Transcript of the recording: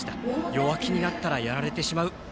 弱気になったらやられてしまう。